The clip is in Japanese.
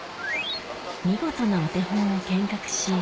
見事なお手本を見学し